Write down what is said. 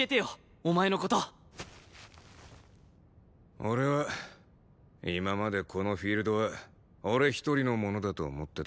俺は今までこのフィールドは俺一人のものだと思ってた。